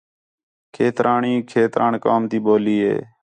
کھیترانی کھیتران قوم تی ٻولی ہے